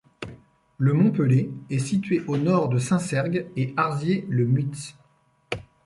Le mont Pelé est situé au nord de Saint-Cergue et Arzier-Le Muids.